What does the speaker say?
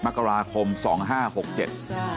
มกราคมสองห้าหกเจ็ด